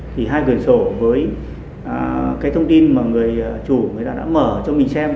thì hai quyển sổ với cái thông tin mà người chủ người ta đã mở cho mình xem